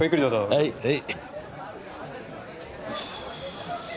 はいはい。